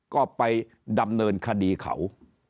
ก็ไปดำเนินคดีเขา